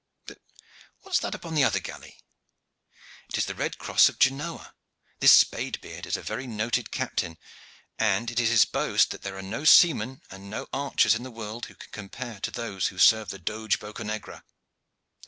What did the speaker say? But what is that upon the other galley?" "It is the red cross of Genoa. This Spade beard is a very noted captain, and it is his boast that there are no seamen and no archers in the world who can compare with those who serve the Doge Boccanegra."